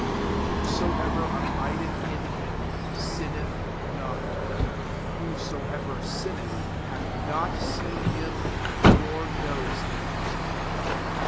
6 Whosoever abideth in him, sin neth not: whosoever sinneth, hath not seen him, nor knows him'.